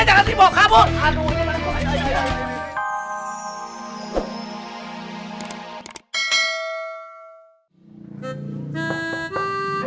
jangan dibawa kabur